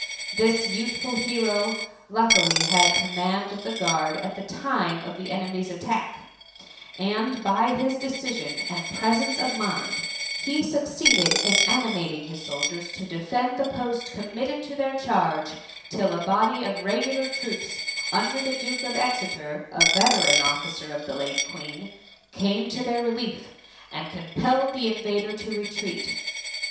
This youthful hero luckily had command of the guard at the time of the enemy's attack, and by his decision and presence of mind, he succeeded in animating his soldiers to defend the post committed to their charge, till a body of regular troops under the Duke of Exeter, a veteran officer of the late Queen, came to their relief, and compelled the invaders to retreat. THE MUMMY.